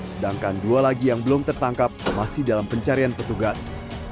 sedangkan dua lagi yang belum tertangkap masih dalam pencarian petugas